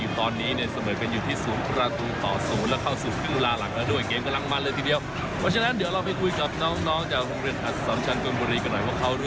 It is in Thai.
ซึ่งบรรยากาศตอนนี้กำลังแข่งทันกันอยู่